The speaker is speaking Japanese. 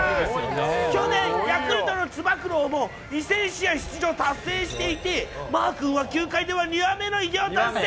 去年、ヤクルトのつば九郎も２０００試合出場達成していて、マーくんは球界では２羽目の偉業達成！